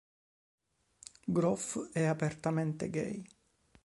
Groff è apertamente gay.